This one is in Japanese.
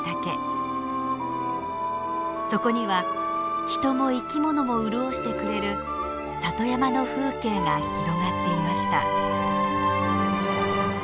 そこには人も生きものも潤してくれる里山の風景が広がっていました。